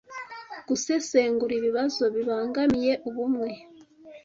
Gusesengura ibibazo bibangamiye ubumwe